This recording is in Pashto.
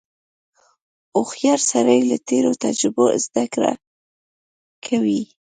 • هوښیار سړی له تېرو تجربو زدهکړه کوي.